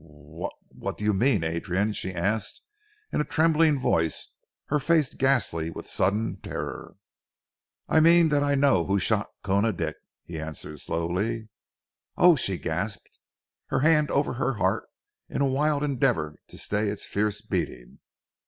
"What ... what do you mean, Adrian?" she asked in a trembling voice, her face ghastly with sudden terror. "I mean that I know who shot Koona Dick," he answered slowly. "Oh!" she gasped, her hand over her heart in a wild endeavour to stay its fierce beating.